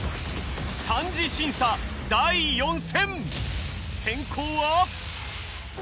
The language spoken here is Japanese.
三次審査第４戦先攻は。